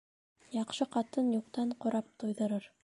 Яҡшы ҡатын юҡтан ҡорап туйҙырыр